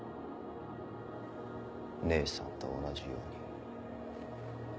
姉さんと同じように。